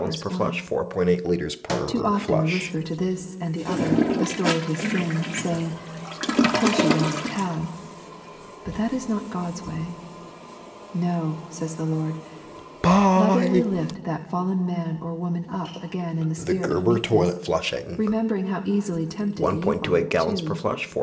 1). Too often we whisper to this and the other the story of his sin, saying ;" Of course you will not tell." But that is not Qod's way. No, says the Lord; lovingly lift that fallen man or woman up again in the spirit of meekness, remem bering how easily tempted you are, too.